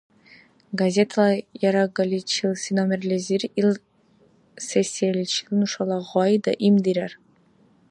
Газетала яргаличилси номерлизир ил сессияличила нушала гъай даимдирар.